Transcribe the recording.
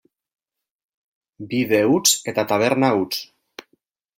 Bide huts eta taberna huts.